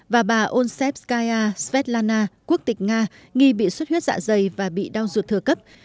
và bà onsepskaya svetlana quốc tịch nga nghi bị suất huyết dạ dày và bị đau ruột thừa cấp